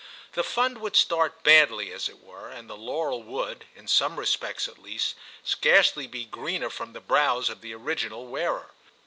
The Fund would start badly, as it were, and the laurel would, in some respects at least, scarcely be greener from the brows of the original wearer.